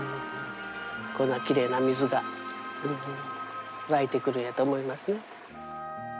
こんなきれいな水が湧いてくるんやと思いますね。